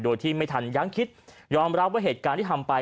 โดยที่ไม่ทันยังคิดยอมรับว่าเหตุการณ์ที่ทำไป